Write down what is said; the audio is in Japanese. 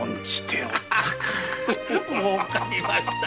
もうかりました。